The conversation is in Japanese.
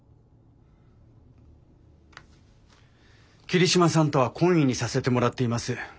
桐島さんとは懇意にさせてもらっています。